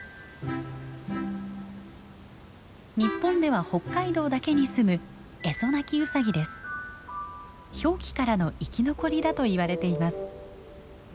日本では北海道だけに住む氷期からの生き残りだといわれています。